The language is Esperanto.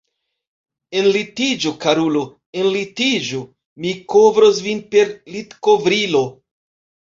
Enlitiĝu, karulo, enlitiĝu, mi kovros vin per litkovrilo.